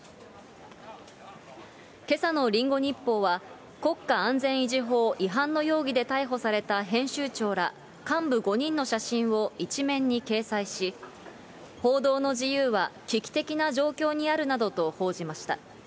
けさのリンゴ日報は、国家安全維持法違反の容疑で逮捕された編集長ら幹部５人の写真を一面に掲載し、報道の自由は危機的な状況にあるなどと報じました。